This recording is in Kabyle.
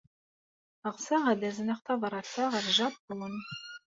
Ɣseɣ ad azneɣ tabṛat-a ɣer Japun.